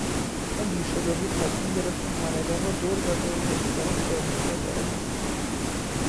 چون دیر شده بود تصمیم گرفتیم همدان را دور زده یکسره به کرمانشاه برویم.